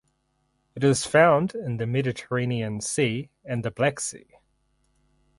It is found in the Mediterranean Sea and the Black Sea.